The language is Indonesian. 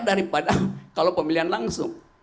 daripada kalau pemilihan langsung